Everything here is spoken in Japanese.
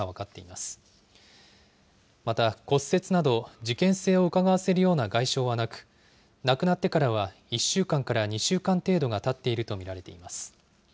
また、骨折など事件性をうかがわせるような外傷はなく、亡くなってからは１週間から２週間程度がたっていると見られています。